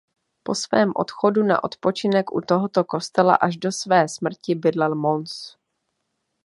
Po svém odchodu na odpočinek u tohoto kostela až do své smrti bydlel Mons.